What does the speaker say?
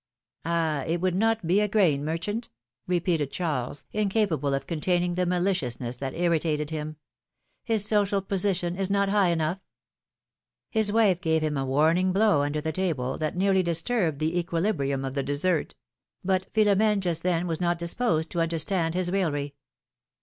^^Ah ! it would not be a grain merchant ?" repeated philomj^ne's marriages. 65 Charles, incapable of containing the maliciousness that irritated him; ^Miis social position is not high enough His wife gave him a Avarning blow under the table, that nearly disturbed the equilibrium of the dessert; but Philo m^ne just then was not disposed to understand his raillery.